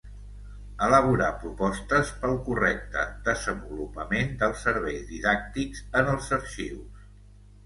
Elaborar propostes pel correcte desenvolupament dels serveis didàctics en els arxius.